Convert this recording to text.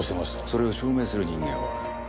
それを証明する人間は？